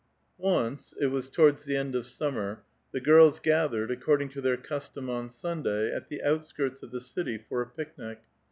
Once (it was towards the end of summer) the girls gath ^'^^cl, according to their custom on Sunday, at the outskirts ^^ the city for a picnic.